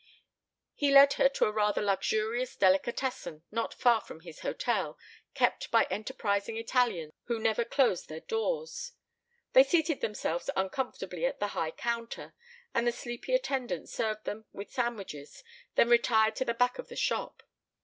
He led her to a rather luxurious delicatessen not far from his hotel, kept by enterprising Italians who never closed their doors. They seated themselves uncomfortably at the high counter, and the sleepy attendant served them with sandwiches, then retired to the back of the shop.